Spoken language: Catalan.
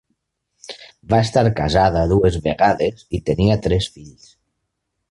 Va estar casada dues vegades i tenia tres fills.